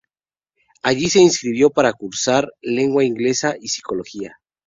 Allí se inscribió para cursar Lengua Inglesa y Psicología.